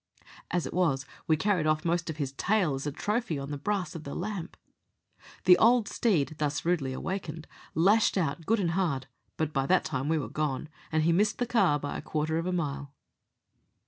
As it was, we carried off most of his tail as a trophy on the brass of the lamp. The old steed, thus rudely awakened, lashed out good and hard, but by that time we were gone, and he missed the car by a quarter of a mile.